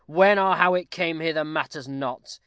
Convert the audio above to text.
When or how it came hither matters not.